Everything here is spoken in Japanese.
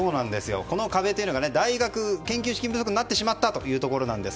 この壁というのが大学が研究資金不足になってしまったというところです。